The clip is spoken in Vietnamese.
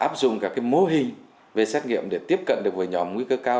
áp dụng các mô hình về xét nghiệm để tiếp cận được với nhóm nguy cơ cao